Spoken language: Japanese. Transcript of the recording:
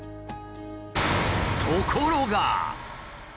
ところが。